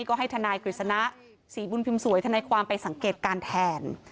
ก็ให้ทนายกฤษณะศรีบุญพิมพ์สวยทนายความไปสังเกตการแทน